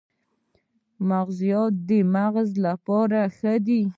مغزيات د مغز لپاره ښه دي